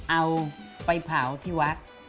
เอาไปเผาที่วัด